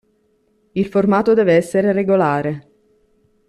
Il formato deve essere regolare.